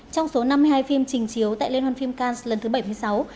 trong số năm mươi hai phim trình chiếu tại liên hoan phim canx lần thứ bảy mươi sáu